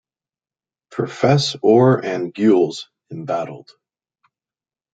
Per fess or and gules, embattled.